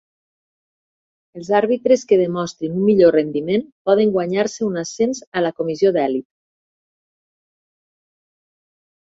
Els àrbitres que demostrin un millor rendiment poden guanyar-se un ascens a la comissió d'elit.